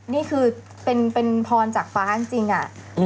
นี่คือเป็นพรจากฟ้าจริงอะ